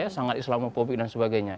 sangat islamopopik dan sebagainya